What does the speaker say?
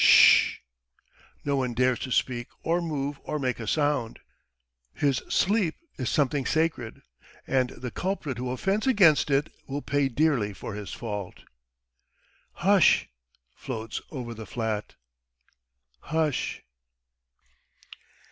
"Sh!" No one dares to speak or move or make a sound. His sleep is something sacred, and the culprit who offends against it will pay dearly for his fault. "Hush!" floats over the flat. "Hush!"